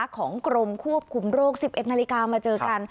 ของกรมควบคุมโรค๑๑นาฬิกามาเจอกัน